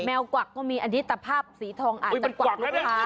กวักก็มีอันนี้ตภาพสีทองอาจจะกวักลูกค้า